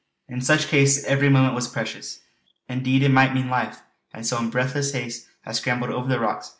In such case every moment was precious. Indeed it might mean life; and so in breathless haste I scrambled over the rocks.